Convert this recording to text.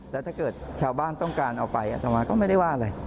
แล้วถ้าเกิดชาวบ้านต้องการเอาไปอัตมาก็ไม่ได้ว่าอะไร